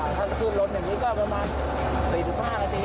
ถ้าขึ้นรถอย่างนี้ก็ประมาณ๔๕หรือ๕๐นาที